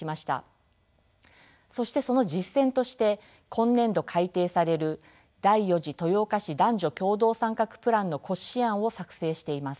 そしてその実践として今年度改訂される第４次豊岡市男女共同参画プランの骨子案を作成しています。